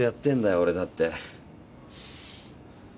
俺だって。